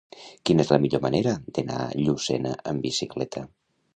Quina és la millor manera d'anar a Llucena amb bicicleta?